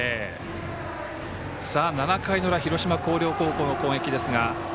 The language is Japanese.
７回の裏広島・広陵高校の攻撃ですが。